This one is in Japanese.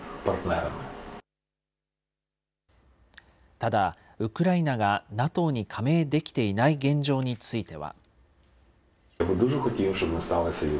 ただ、ウクライナがＮＡＴＯに加盟できていない現状については。